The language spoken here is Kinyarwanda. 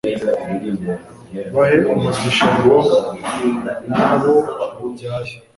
bahe umugisha ngo n'abo babyaye